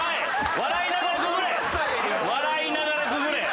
笑いながらくぐれ。